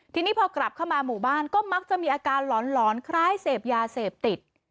ทีนี้พอกลับเข้ามาหมู่บ้านก็มักจะมีอาการหลอนคล้ายเสพยาเสพติด